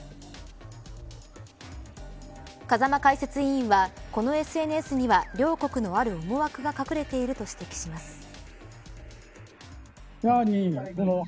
風間解説委員は、このＳＮＳには両国のある思惑が隠れていると指摘します。